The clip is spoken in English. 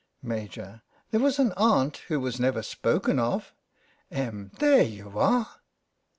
MaJ. : There was an aunt who was never spoken of Em. : There you are